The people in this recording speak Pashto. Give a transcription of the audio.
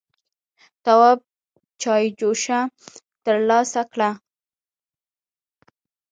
تواب چايجوشه تر لاسه کړه.